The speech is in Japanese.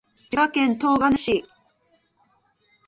千葉県東金市